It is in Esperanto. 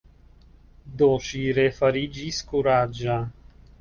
Do ŝi refariĝis kuraĝa.